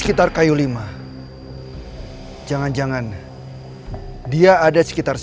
kita cari cara lain alam